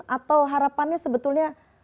atau harapannya sebetulnya